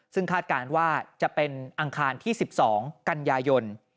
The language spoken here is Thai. ซึ่งคาดการณ์ว่าจะเป็นอังคารที่๑๒กันยายน